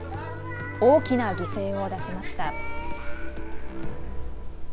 大きな犠牲を出しました。